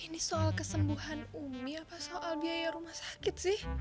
ini soal kesembuhan umi apa soal biaya rumah sakit sih